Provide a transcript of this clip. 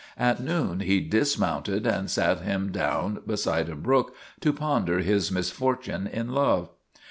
At noon he dismounted and sat him down beside a brook to ponder his misfortune in love.